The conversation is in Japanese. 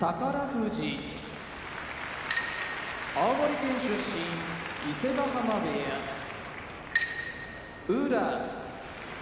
富士青森県出身伊勢ヶ濱部屋宇良